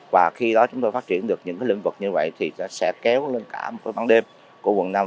và khi đó chúng tôi phát triển được những cái lĩnh vực như vậy thì sẽ kéo lên cả một cái bán đêm của quận năm